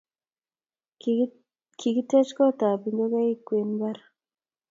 Kigitech koot tab ingogaik kwen mbar